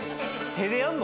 手でやんの？